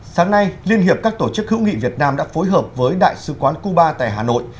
sáng nay liên hiệp các tổ chức hữu nghị việt nam đã phối hợp với đại sứ quán cuba tại hà nội